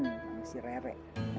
sama si rere